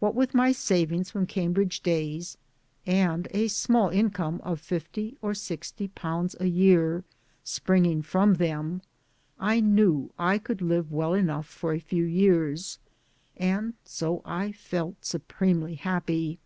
What with my savings from Cambridge days, and a small income of fifty or sixty pounds a year spring ing from them, I knew I could live well enough for a few years and so I felt supremely happy.